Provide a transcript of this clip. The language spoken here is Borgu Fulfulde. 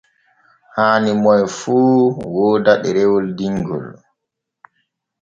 Haani moy fu wooda ɗerewol dingol.